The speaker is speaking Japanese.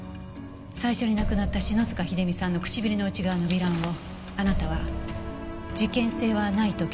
最初に亡くなった篠塚秀実さんの唇の内側の糜爛をあなたは事件性はないと結論づけました。